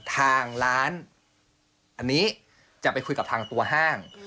ทางร้านอันนี้จะไปคุยกับทางตัวห้าง